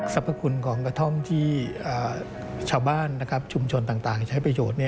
พคุณของกระท่อมที่ชาวบ้านชุมชนต่างใช้ประโยชน์